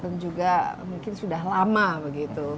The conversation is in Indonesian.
dan juga mungkin sudah lama begitu